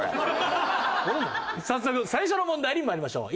早速最初の問題に参りましょう。